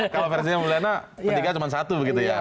kalau versinya bulena ketiga cuma satu begitu ya